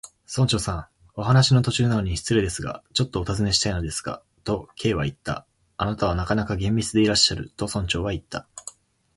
「村長さん、お話の途中なのに失礼ですが、ちょっとおたずねしたいのですが」と、Ｋ はいった。「あなたはなかなか厳密でいらっしゃる」と、村長はいった。